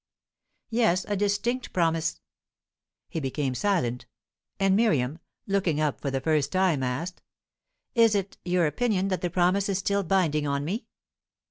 "Yes, a distinct promise." He became silent; and Miriam, looking up for the first time, asked: "Is it your opinion that the promise is still binding on me?"